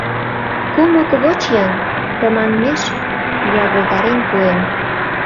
Кумык воч-ян, тыманмеш ягылтарен пуэм.